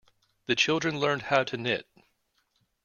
The children learned how to knit.